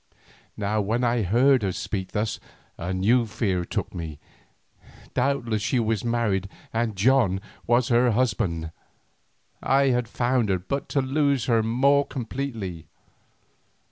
Now when I heard her speak thus a new fear took me. Doubtless she was married and "John" was her husband. I had found her but to lose her more completely.